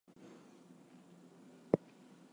A different program partly replaced it.